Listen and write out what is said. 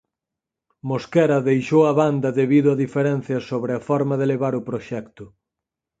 Mosquera deixou a banda debido a diferenzas sobre a forma de levar o proxecto.